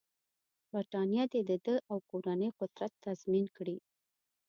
برټانیه دې د ده او کورنۍ قدرت تضمین کړي.